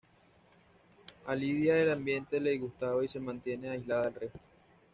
A Lidia el ambiente le disgusta y se mantiene aislada del resto.